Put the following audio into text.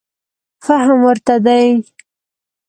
فهم ورته دی.